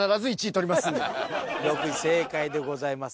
６位正解でございます。